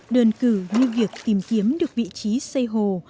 đơn cử như việc tìm kiếm được vị trí xây hồ